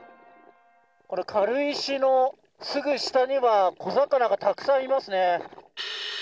これ、軽石のすぐ下には、小魚がたくさんいますね。